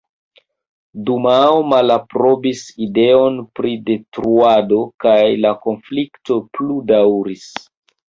Dumao malaprobis ideon pri detruado kaj la konflikto plu daŭris.